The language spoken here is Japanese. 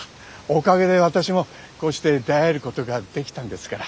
おかげで私もこうして出会えることができたんですから。